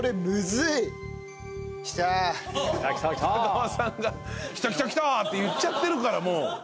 二川さんが「きたきたきた！」って言っちゃってるからもう。